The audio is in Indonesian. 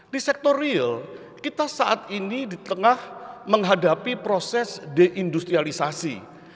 di sektor real kita saat ini di tengah menghadapi proses deindustrialisasi